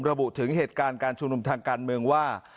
ระบุถึงเหตุการณ์การชุมนุมทางการเมืองว่า